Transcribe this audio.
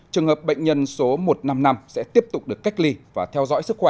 trường hợp bệnh nhân số một trăm năm mươi năm sẽ tiếp tục được cách ly và theo dõi sức khỏe thêm một mươi bốn ngày